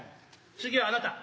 次はあなた。